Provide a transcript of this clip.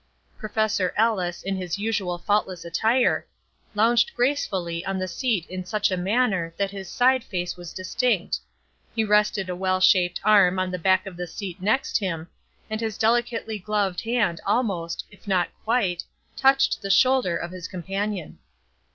Professor Ellis, in his usual faultless attire, lounged gracefully on the seat in such a manner that his side face was distinct; he rested a well shaped arm on the back of the seat next him, and his delicately gloved hand almost, if not quite, touched the shoulder of his companion.